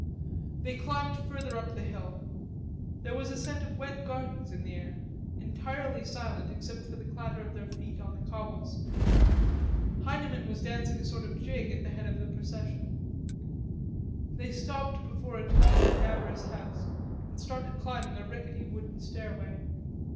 They climbed further up the hill. There was a scent of wet gardens in the air, entirely silent except for the clatter of their feet on the cobbles. Heineman was dancing a sort of a jig at the head of the procession. They stopped before a tall cadaverous house and started climbing a rickety wooden stairway.